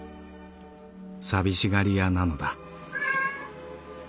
寂しがり屋なのだ」。